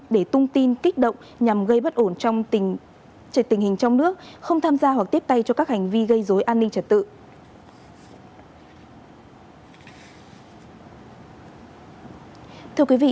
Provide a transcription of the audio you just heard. để tung tin kích động nhằm gây bất ổn trong tình hình trong nước không tham gia hoặc tiếp tay cho các hành vi gây dối an ninh trật tự